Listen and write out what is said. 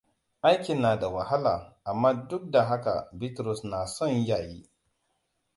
Aikin na da wahala, amma duk da haka Bitrus na son ya yi.